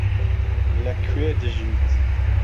لەکوێ دژیت؟